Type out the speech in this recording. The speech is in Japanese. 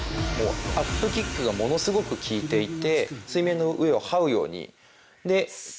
アップキックがものすごく効いていて。